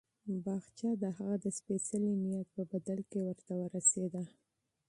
باغچه د هغه د سپېڅلي نیت په بدل کې ورته ورسېده.